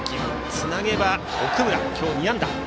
つなげば奥村、今日２安打。